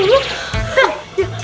aduh ustadz buta